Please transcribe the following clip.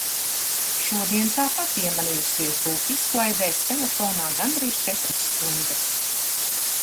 Šodien tāpat iemanījusies būt izklaidēs telefonā gandrīz četras stundas...